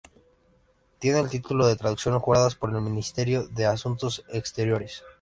Tiene el título de Traducción jurada por el Ministerio de Asuntos Exteriores.